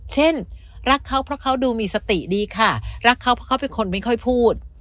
เช่นรักเขาเพราะเขาดูมีสติดีค่ะรักเขาเพราะเขาเป็นคนไม่ค่อยพูด